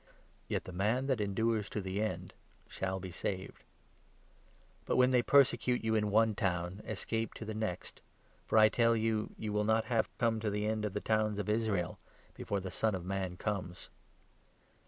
Yet the man that endures to the end shall be saved. But, when they persecute you in one town, escape to 23 the next ; for, I tell you, you will not have come to the end of the towns of Israel before the Son of Man comes.